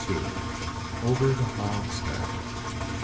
Over the "Hog's Back."